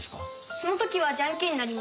その時はジャンケンになります。